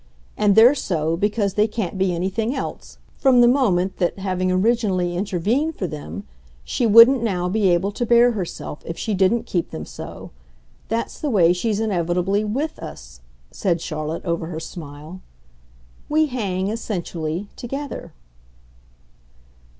And they're so because they can't be anything else, from the moment that, having originally intervened for them, she wouldn't now be able to bear herself if she didn't keep them so. That's the way she's inevitably WITH us," said Charlotte over her smile. "We hang, essentially, together."